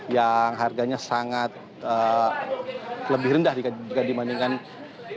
yang harganya sangat lebih rendah jika dibandingkan daging sapi